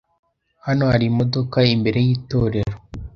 Hano hari imodoka imbere yitorero.